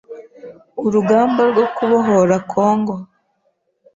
Urugamba rwo kubohora Congo